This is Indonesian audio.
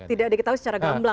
tidak diketahui secara gelombang